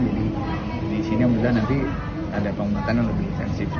jadi di sini nanti ada pembuatan yang lebih intensif